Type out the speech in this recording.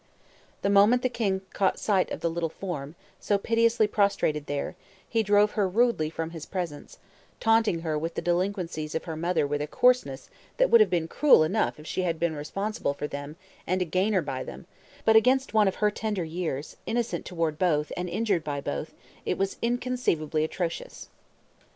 The moment the king caught sight of the little form, so piteously prostrated there, he drove her rudely from his presence, taunting her with the delinquencies of her mother with a coarseness that would have been cruel enough if she had been responsible for them and a gainer by them, but against one of her tender years, innocent toward both, and injured by both, it was inconceivably atrocious.